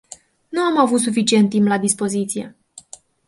Nu am avut suficient timp la dispoziție.